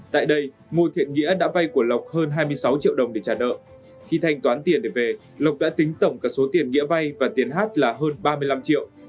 tại đây ngô thiện nghĩa đã vay của lộc hơn hai mươi sáu triệu đồng để trả nợ khi thanh toán tiền để về lộc đã tính tổng cả số tiền nghĩa vay và tiền hát là hơn ba mươi năm triệu